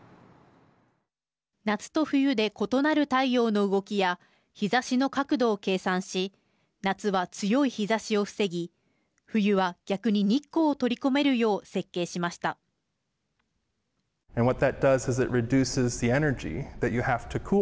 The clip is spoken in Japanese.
夏と冬で異なる太陽の動きや日ざしの角度を計算し夏は強い日ざしを防ぎ冬は逆に日光を取り込めるよう設計しました。